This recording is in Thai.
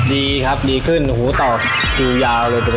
ดีครับดีขึ้นหูตอบคิวยาวเลย